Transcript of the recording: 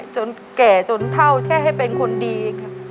จนแก่จนเท่าแค่ให้เป็นคนดีค่ะ